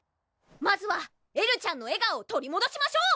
まずはエルちゃんの笑顔を取りもどしましょう！